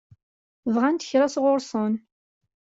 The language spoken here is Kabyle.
Bɣant kra sɣur-sen?